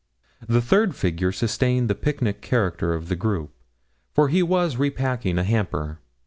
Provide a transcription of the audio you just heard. The third figure sustained the picnic character of the group, for he was repacking a hamper.